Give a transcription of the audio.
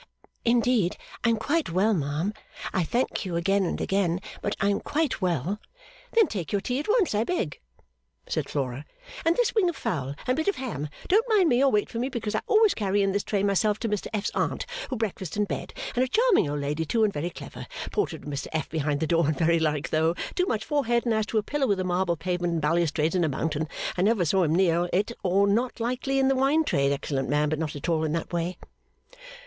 'Indeed I am quite well, ma'am. I thank you again and again, but I am quite well.' 'Then take your tea at once I beg,' said Flora, 'and this wing of fowl and bit of ham, don't mind me or wait for me, because I always carry in this tray myself to Mr F.'s Aunt who breakfasts in bed and a charming old lady too and very clever, Portrait of Mr F. behind the door and very like though too much forehead and as to a pillar with a marble pavement and balustrades and a mountain, I never saw him near it nor not likely in the wine trade, excellent man but not at all in that way.